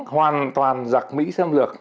hoàn toàn giặc mỹ xâm lược